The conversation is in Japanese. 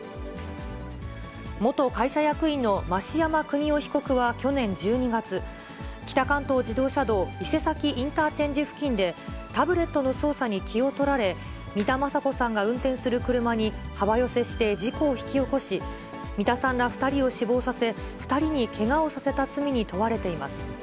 元会社役員の増山邦夫被告は、去年１２月、北関東自動車道、伊勢崎インターチェンジ付近で、タブレットの操作に気を取られ、三田昌子さんが運転する車に幅寄せして事故を引き起こし、三田さんら２人を死亡させ、２人にけがをさせた罪に問われています。